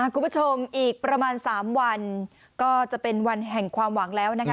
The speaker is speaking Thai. คุณผู้ชมอีกประมาณ๓วันก็จะเป็นวันแห่งความหวังแล้วนะคะ